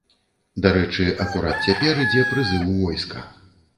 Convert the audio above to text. Дарэчы, акурат цяпер ідзе прызыў у войска.